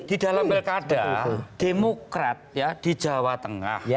di dalam belkada demokrat di jawa tengah